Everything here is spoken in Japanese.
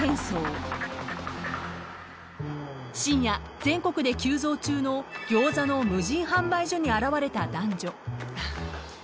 ［深夜全国で急増中のギョーザの無人販売所に現れた男女］